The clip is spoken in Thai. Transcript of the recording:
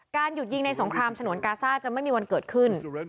หยุดยิงในสงครามฉนวนกาซ่าจะไม่มีวันเกิดขึ้น